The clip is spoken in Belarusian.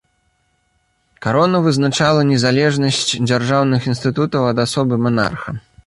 Карона вызначала незалежнасць дзяржаўных інстытутаў ад асобы манарха.